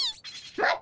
待って！